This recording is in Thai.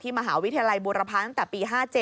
ที่มหาวิทยาลัยบูรพันธ์ตั้งแต่ปี๑๙๕๗